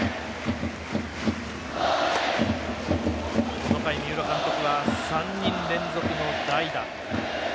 この回、三浦監督は３人連続の代打。